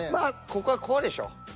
ここはこうでしょ。